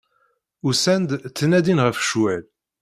Usan-d, ttnadin ɣef ccwal.